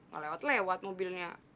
gak lewat lewat mobilnya